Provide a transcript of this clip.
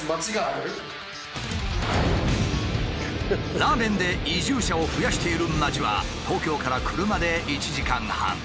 ラーメンで移住者を増やしている町は東京から車で１時間半。